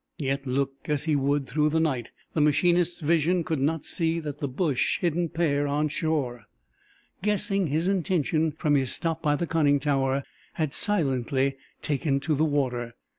Yet, look as he would through the night, the machinist's vision could not see that the bush hidden pair on shore, guessing his intention from his stop by the conning tower, had silently taken to the water.